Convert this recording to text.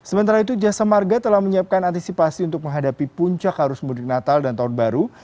sementara itu jasa marga telah menyiapkan antisipasi untuk menghadapi puncak arus mudik natal dan tahun baru